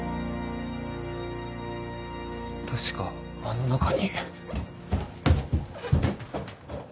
確かあの中に。